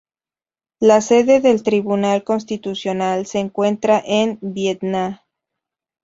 La sede del Tribunal Constitucional se encuentra en Viena.